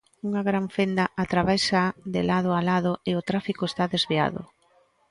Unha gran fenda atravésaa de lado a lado e o tráfico está desviado.